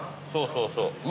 そうそうそう。